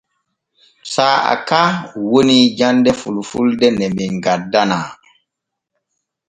Saa'a ka woni jande fulfulde ne men gaddanaa.